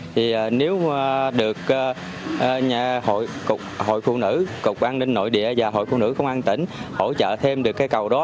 thì nếu được hội phụ nữ cục an ninh nội địa và hội phụ nữ công an tỉnh hỗ trợ thêm được cây cầu đó